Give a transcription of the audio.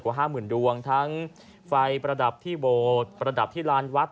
เท่าวัฒน์เลยกว่า๕๐๐๐๐ดวงทั้งไฟประดับที่โบสธ์ประดับที่ลานวัฒน์